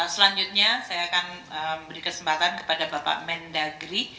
selanjutnya saya akan beri kesempatan kepada bapak mendagri